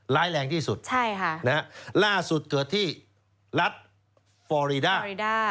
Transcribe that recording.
ร้ายแรงที่สุดนี่นะครับณล่าสุดเกิดที่รัชเฟอร์รีด้า